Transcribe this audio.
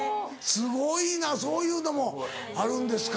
すごいなそういうのもあるんですか。